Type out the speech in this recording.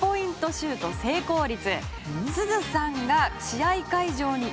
シュート成功率。